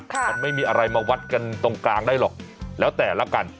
มันไม่มีอะไรมาวัดกันตรงกลางได้หรอกแล้วแต่ละกัน